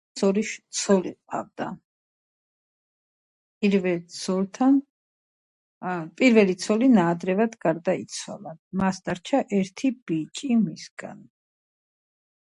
ცნება სახალხო დემოკრატია მას შემდეგ გაჩნდა რაც საბჭოური ტიპის რეჟიმები აღმოცენდა.